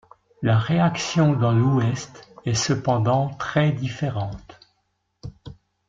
La réaction dans l'Ouest est cependant très différente.